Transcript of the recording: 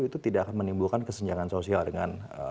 itu tidak akan menimbulkan kesenjangan sosial dengan